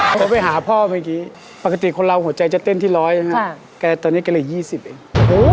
ถ้าไปหาพ่อแบบนี้ปกติคนเราหัวใจจะเต้นที่ร้อยนะครับแต่ตอนนี้เกลียดยี่สิบเอง